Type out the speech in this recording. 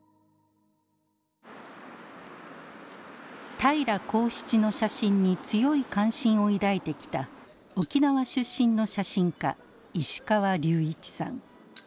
平良孝七の写真に強い関心を抱いてきた沖縄出身の写真家石川竜一さん。